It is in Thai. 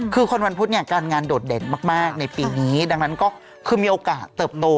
คือคนวันพุธเนี่ยการงานโดดเด่นมากในปีนี้ดังนั้นก็คือมีโอกาสเติบโต